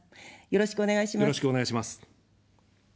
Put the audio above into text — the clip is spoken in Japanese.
よろしくお願いします。